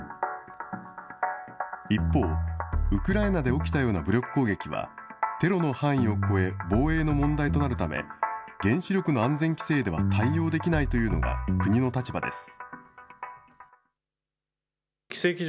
一方、ウクライナで起きたような武力攻撃は、テロの範囲を超え、防衛の問題となるため、原子力の安全規制では対応できないというのが国の立場です。